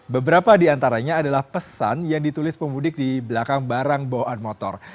beberapa di antaranya adalah pesan yang ditulis pemudik di belakang barang bawaan motor